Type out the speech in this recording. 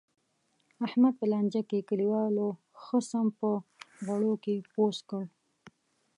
احمد په لانجه کې، کلیوالو ښه سم په غوړو کې پوست کړ.